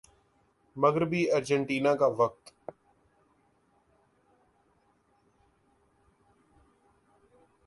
مغربی ارجنٹینا کا وقت